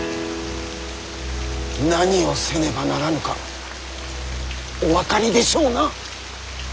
何をせねばならぬかお分かりでしょうな？